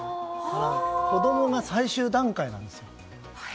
子供が最終段階なんですよ。